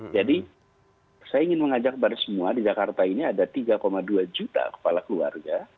jadi saya ingin mengajak kepada semua di jakarta ini ada tiga dua juta kepala keluarga